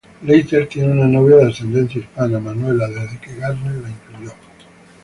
Leiter tiene una novia de ascendencia hispana, Manuela, desde que Gardner la incluyó.